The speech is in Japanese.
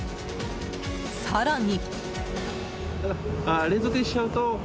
更に。